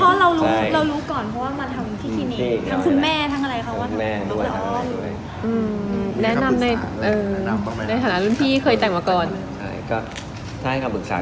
พ่อเรารู้ก่อนเพราะว่ามาทำแถวที่คลีนิค